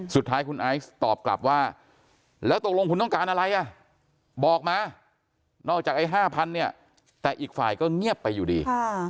สุดท้ายคุณไอซ์ตอบกลับว่าแล้วตกลงคุณต้องการอะไรอ่ะบอกมานอกจากไอ้๕๐๐เนี่ยแต่อีกฝ่ายก็เงียบไปอยู่ดี